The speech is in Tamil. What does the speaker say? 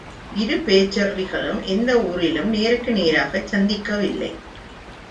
இரு பேச்சர்ளிகளும் எந்த ஊரிலும் நேருக்கு நேராகச் சந்திக்கவில்லை.